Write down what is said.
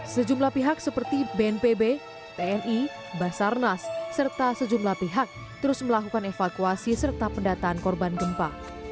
sejumlah pihak seperti bnpb tni basarnas serta sejumlah pihak terus melakukan evakuasi serta pendataan korban gempa